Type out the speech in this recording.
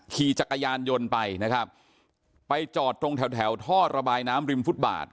ขี่จักรยานยนต์ไปนะครับไปจอดตรงแถวแถวท่อระบายน้ำริมฟุตบาท